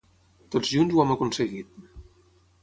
Tots junts ho hem aconseguit.